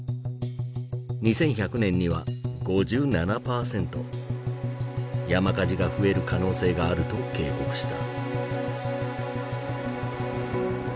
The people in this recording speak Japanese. ２１００年には５７％山火事が増える可能性があると警告した。